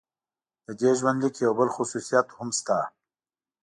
د دې ژوندلیک یو بل خصوصیت هم شته.